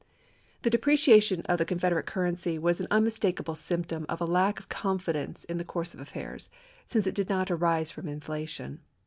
The depreciation of the Confederate currency was an unmistakable symptom of a lack of confidence in the course of affairs, since it did not arise from inflation.